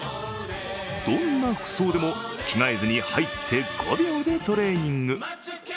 どんな服装でも着替えずに入って５秒でトレーニング。